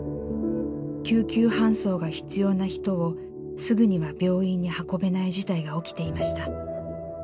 救急搬送が必要な人をすぐには病院に運べない事態が起きていました。